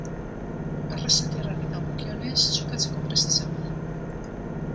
Arrasatearrari dagokionez, jokatzeko prest izango da.